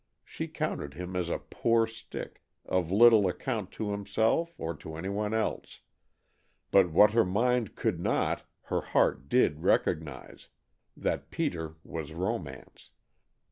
She counted him as a poor stick, of little account to himself or to any one else, but what her mind could not, her heart did recognize that Peter was Romance.